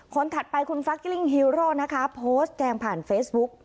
ถัดไปคุณฟักกลิ้งฮีโร่นะคะโพสต์แกงผ่านเฟซบุ๊ก